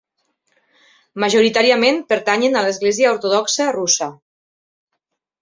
Majoritàriament pertanyen a l'església ortodoxa russa.